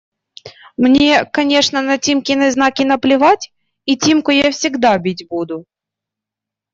Мне, конечно, на Тимкины знаки наплевать, и Тимку я всегда бить буду…